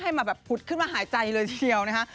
มาแบบผุดขึ้นมาหายใจเลยทีเดียวนะคะ